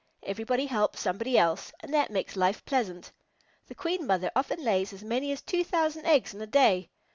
Everybody helps somebody else, and that makes life pleasant. The Queen Mother often lays as many as two thousand eggs in a day.